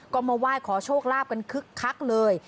ก็มาไหว้ขอโชคลาภกันคึกคักเลย